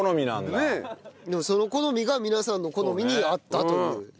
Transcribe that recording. でもその好みが皆さんの好みに合ったという。